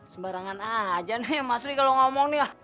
sembarangan aja nih masri kalau ngomong nih